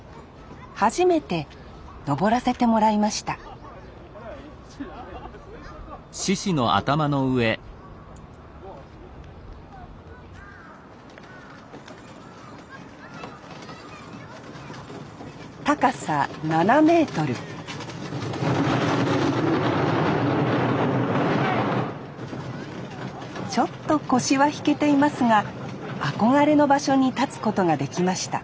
初めて上らせてもらいました高さ７ｍちょっと腰は引けていますが憧れの場所に立つことができました